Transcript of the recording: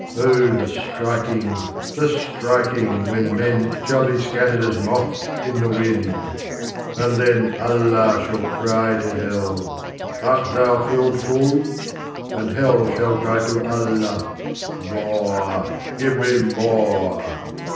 O the striking, the striking, when men shall be scattered as moths in the wind! And then Allah shall cry to Hell, Art thou filled full? And Hell shall cry to Allah, More, give me more!"